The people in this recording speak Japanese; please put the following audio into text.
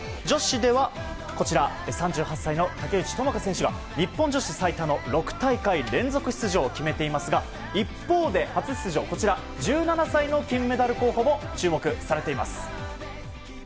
女子では３８歳の竹内智香選手が日本女子最多の６大会連続出場を決めていますが一方で、初出場１７歳の金メダル候補も注目されています。